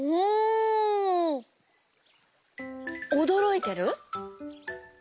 おどろいてる？